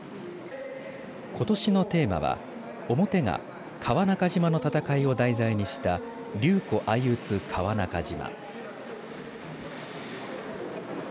ことしのテーマは表が川中島の戦いを題材にした龍虎相討川中島。